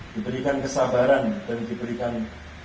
diberikan keseluruhan diberikan kekuatan diberikan kekuatan